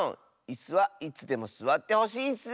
いすはいつでもすわってほしいッス！